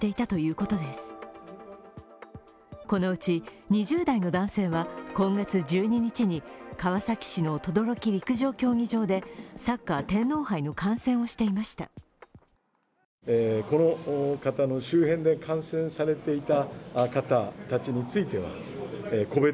このうち２０代の男性は今月１２日に川崎市の等々力陸上競技場でサッカー天皇杯の観戦をしていました。